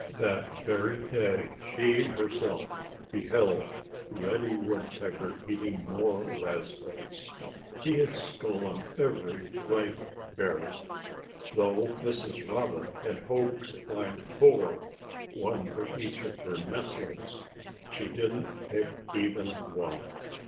That very day she herself beheld Reddy Woodpecker eating more raspberries. He had stolen every ripe berry. Though Mrs. Robin had hoped to find four (one for each of her nestlings) she didn't pick even one.